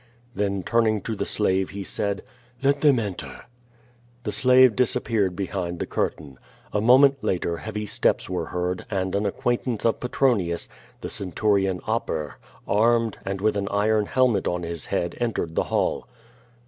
'' Then turning to the slave he said: "Let them enter." The slave dissappeared behind the curtain. A moment later heavy steps were heard and an acquaintance of Petron ius, the centurion Aper, armed, and with an iron helmet on his head entered the hall.